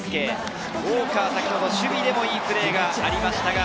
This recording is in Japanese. ウォーカーは守備でもいいプレーがありましたが、